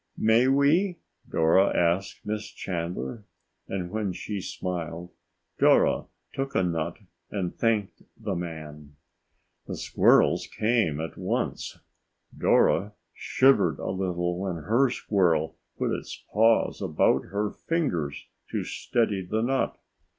"May we?" Dora asked Miss Chandler, and when she smiled, Dora took a nut and thanked the man. The squirrels came at once. Dora shivered a little when her squirrel put its paws about her fingers to steady the nut.